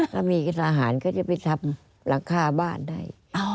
ถ้ามีทหารก็จะไปทำหลังคาบ้านได้